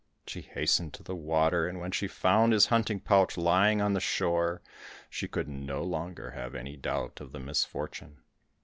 She hastened to the water, and when she found his hunting pouch lying on the shore, she could no longer have any doubt of the misfortune.